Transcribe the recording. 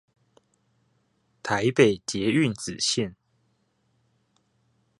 臺北捷運紫線